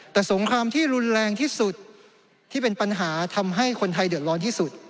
แต่สงครามที่รุนแรงที่สุดที่เป็นปัญหาทำให้คนไทยเดือดร้อนที่สุด